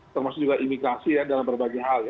termasuk juga imigrasi dalam berbagai hal